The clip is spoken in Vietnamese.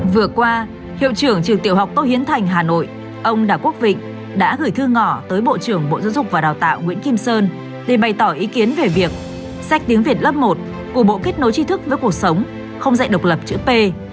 vừa qua hiệu trưởng trường tiểu học tô hiến thành hà nội ông đào quốc vịnh đã gửi thư ngỏ tới bộ trưởng bộ giáo dục và đào tạo nguyễn kim sơn để bày tỏ ý kiến về việc sách tiếng việt lớp một của bộ kết nối chi thức với cuộc sống không dạy độc lập chữ p